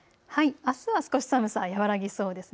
あすは少し寒さは和らぎそうですね。